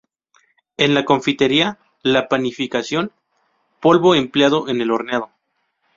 En la confitería, la panificación, polvo empleado en el horneado.